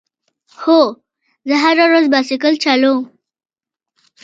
هو، زه هره ورځ بایسکل چلوم